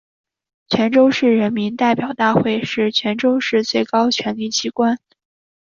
泉州市人民代表大会是泉州市的最高权力机关。